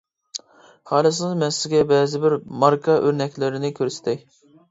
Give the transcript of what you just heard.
خالىسىڭىز مەن سىزگە بەزىبىر ماركا ئۆرنەكلىرىنى كۆرسىتەي.